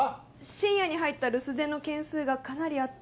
深夜に入った留守電の件数がかなりあって。